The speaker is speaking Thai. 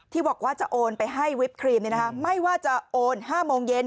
บอกว่าจะโอนไปให้วิปครีมไม่ว่าจะโอน๕โมงเย็น